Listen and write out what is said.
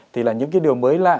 thì là những cái điều mới lạ